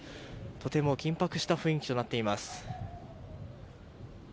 とても緊迫した雰囲気となっています。